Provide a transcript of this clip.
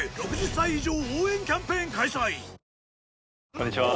こんにちは。